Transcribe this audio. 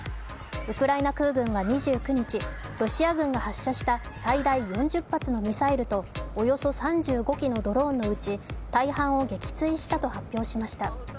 ウクライナ空軍は２９日、ロシア軍が発射した最大４０発のミサイルと、およそ３５機のドローンのうち大半を撃墜したと発表しました。